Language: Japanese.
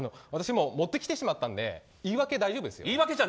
持ってきてしまったので言い訳、大丈夫です。